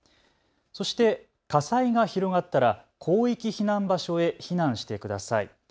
そして火災が広がったら広域避難場所へ避難してください。